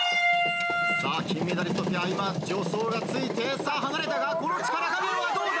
さぁ金メダリストペア今助走がついてさぁ離れたがこの力加減はどうだ？